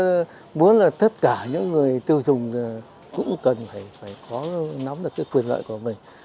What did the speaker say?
tôi muốn là tất cả những người tiêu dùng cũng cần phải có nắm được cái quyền lợi của mình